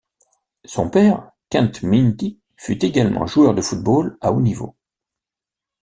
Son père, Kenth Myntti, fut également joueur de football à haut niveau.